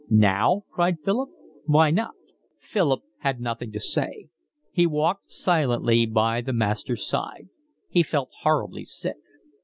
"Now?" cried Philip. "Why not?" Philip had nothing to say. He walked silently by the master's side. He felt horribly sick.